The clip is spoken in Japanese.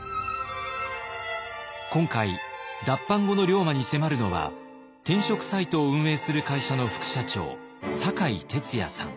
今回脱藩後の龍馬に迫るのは転職サイトを運営する会社の副社長酒井哲也さん。